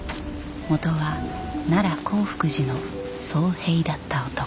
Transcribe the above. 元は奈良興福寺の僧兵だった男。